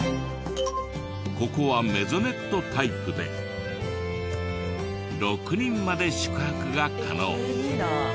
ここはメゾネットタイプで６人まで宿泊が可能。